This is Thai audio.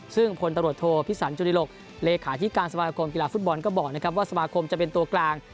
ซึ่งพลตำรวจโทพิสันจุฬิหลกเลขาธิการสมาคมกีฬาฟุตบอลก็บอกนะครับว่าสมาคมจะเป็นตัวกลาง